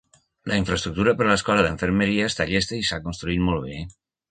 La infraestructura per a l'escola d'infermeria està llesta i s'ha construït molt bé.